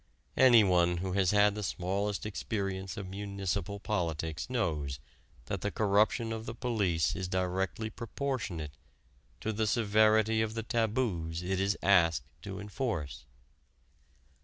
Anyone who has had the smallest experience of municipal politics knows that the corruption of the police is directly proportionate to the severity of the taboos it is asked to enforce.